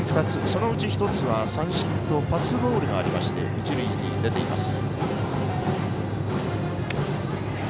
そのうち１つは三振とパスボールがありまして一塁に出ています。